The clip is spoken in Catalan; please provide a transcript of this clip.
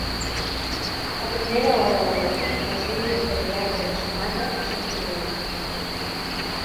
A primera hora del matí les línies de peatge "Sumatra" són comunes.